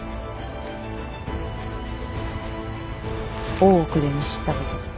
大奥で見知ったこと。